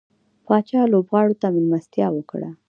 پاچا لوبغاړو ته ملستيا وکړه.